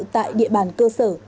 tại địa bàn cơ sở